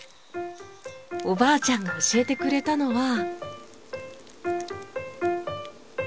おばあちゃんが教えてくれたのは。